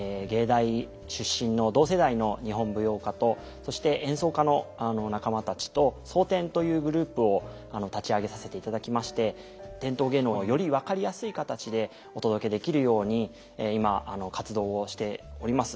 藝大出身の同世代の日本舞踊家とそして演奏家の仲間たちと「蒼天」というグループを立ち上げさせていただきまして伝統芸能をより分かりやすい形でお届けできるように今活動をしております。